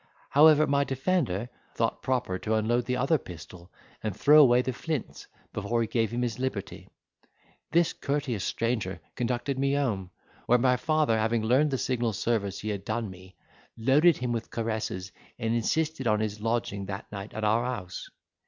However, my defender thought proper to unload the other pistol, and throw away the flints, before he gave him his liberty. This courteous stranger conducted me home, where my father having learned the signal service he had done me, loaded him with caresses, and insisted on his lodging that night at our house.